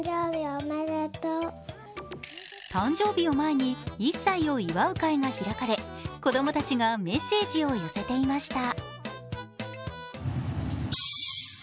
誕生日を前に１歳を祝う会が開かれ、子供たちがメッセージを寄せていました。